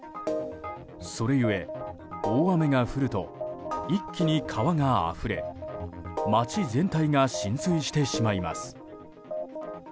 それゆえ、大雨が降ると一気に川があふれ街全体が浸水してしまいます。